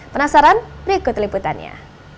penasaran berikut liputannya